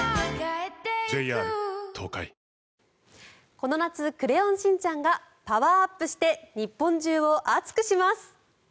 この夏「クレヨンしんちゃん」がパワーアップして日本中を熱くします。